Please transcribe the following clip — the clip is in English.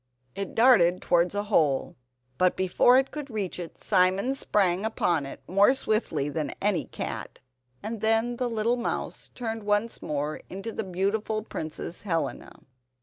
It darted towards a hole, but before it could reach it Simon sprang upon it more swiftly than any cat, and then the little mouse turned once more into the beautiful Princess Helena.